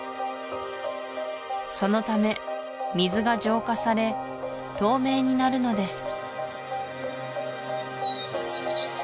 そのため水が浄化され透明になるのです